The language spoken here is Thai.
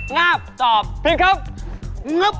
งาบจอบผิดครับ